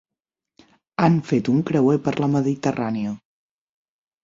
Han fet un creuer per la Mediterrània.